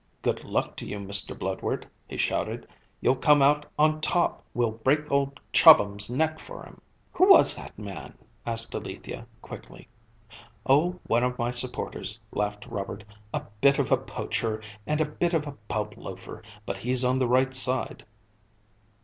"Good luck to you, Mr. Bludward," he shouted; "you'll come out on top! We'll break old Chobham's neck for him." "Who was that man?" asked Alethia quickly. "Oh, one of my supporters," laughed Robert; "a bit of a poacher and a bit of a pub loafer, but he's on the right side."